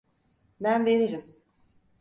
Ben veririm.